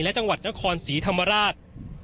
และจังหวัดนครศรีธรรมราช